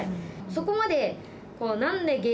そこまで。